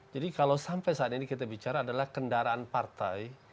jadi kalau sampai saat ini kita bicara adalah kendaraan partai